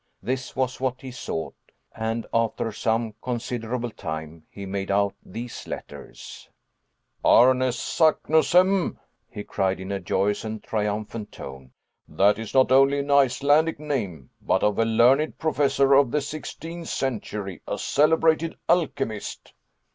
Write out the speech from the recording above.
This was what he sought; and, after some considerable time, he made out these letters: [Illustration: Runic Glyphs] "Arne Saknussemm!" he cried in a joyous and triumphant tone, "that is not only an Icelandic name, but of a learned professor of the sixteenth century, a celebrated alchemist."